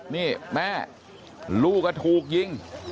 นี่แม่ลูกก็ถูกยิง